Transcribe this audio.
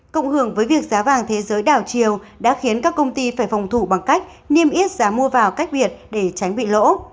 cộng hưởng với việc giá vàng thế giới đảo chiều đã khiến các công ty phải phòng thủ bằng cách niêm yết giá mua vào cách việt để tránh bị lỗ